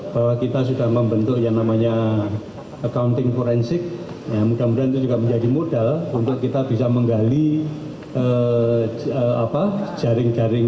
bahwa kita sudah membentuk yang namanya accounting forensik mudah mudahan itu juga menjadi modal untuk kita bisa menggali jaring jaring